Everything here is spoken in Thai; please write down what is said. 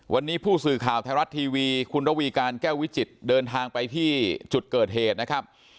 วันนี้ผู้สื่อข่าวไทยรัฐทีวีคุณระวีการแก้ววิจิตรเดินทางไปที่จุดเกิดเหตุนะครับ